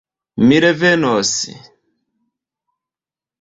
Mi revenos.